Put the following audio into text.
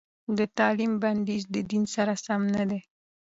د تعليم بندیز د دین سره سم نه دی.